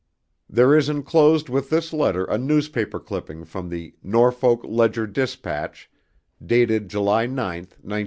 There is enclosed with this letter a newspaper clipping from the "Norfolk Ledger Dispatch", dated July 9, 1947.